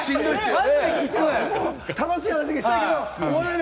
楽しい話にしたいけど。